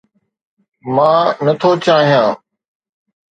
مان نٿو چاهيان